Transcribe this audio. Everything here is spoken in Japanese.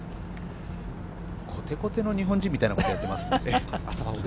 コテコテの日本人みたいなことやってますね。